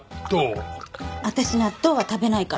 私納豆は食べないから。